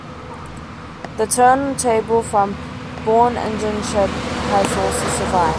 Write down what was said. The turntable from Bourne engine shed has also survived.